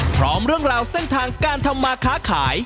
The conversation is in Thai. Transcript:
พร้อมเรื่องราวเส้นทางการทำมาค้าขาย